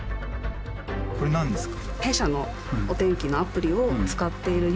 これ何ですか？